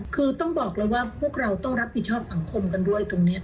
คือต้องบอกเลยว่าพวกเราต้องรับผิดชอบสังคมกันด้วยตรงนี้